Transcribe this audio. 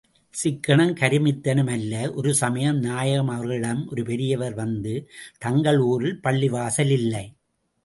சிக்கனம் கருமித்தனம் அல்ல ஒரு சமயம் நாயகம் அவர்களிடம் ஒரு பெரியவர் வந்து, தங்கள் ஊரில் பள்ளிவாசல் இல்லை.